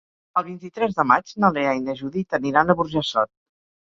El vint-i-tres de maig na Lea i na Judit aniran a Burjassot.